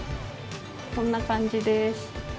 こんな感じです。